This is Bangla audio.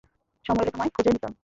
সময় এলে তোমায় খুঁজে নিতাম।